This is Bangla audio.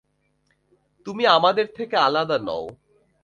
তুমি আমাদের থেকে আলাদা নও।